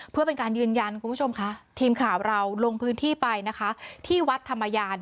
เพื่อเป็นการยืนยันคุณผู้ชมค่ะทีมข่าวเราลงพื้นที่ไปนะคะที่วัดธรรมยาน